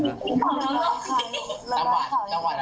ตอนนั้นหนูไม่คิดว่าพี่หนูสู้อะไร